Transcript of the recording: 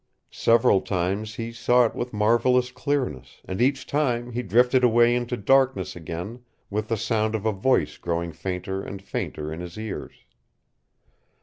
Several times he saw it with marvelous clearness, and each time he drifted away into darkness again with the sound of a voice growing fainter and fainter in his ears.